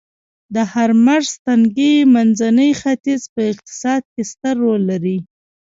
د هرمرز تنګی منځني ختیځ په اقتصاد کې ستر رول لري